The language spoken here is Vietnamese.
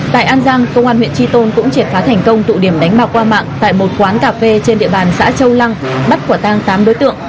tại an giang công an huyện tri tôn cũng triệt phá thành công tụ điểm đánh bạc qua mạng tại một quán cà phê trên địa bàn xã châu lăng bắt quả tang tám đối tượng